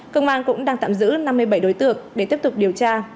công an cũng đang tạm giữ năm mươi bảy đối tượng để tiếp tục điều tra